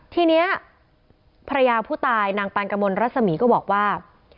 ทีนี้ภรรยาผู้ตายนางปานกระมวลรัศมีก็บอกว่า